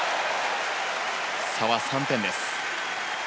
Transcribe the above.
差は３点です。